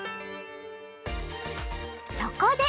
そこで！